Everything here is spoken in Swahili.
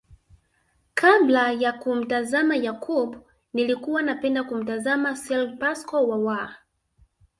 Kabla ya kumtazama Yakub nilikuwa napenda kumtazama Sergi Paschal Wawa